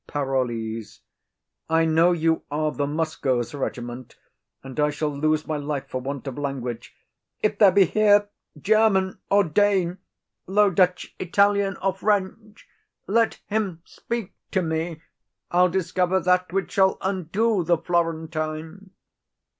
_ PAROLLES. I know you are the Muskos' regiment, And I shall lose my life for want of language. If there be here German, or Dane, Low Dutch, Italian, or French, let him speak to me, I'll discover that which shall undo the Florentine.